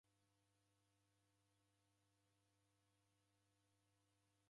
Kusekenilunganya na w'andu w'apo